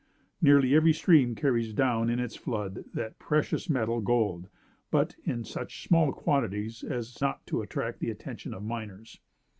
Nearly every stream carries down in its floods that precious metal, gold; but, in such small quantities, as not to attract the attention of miners.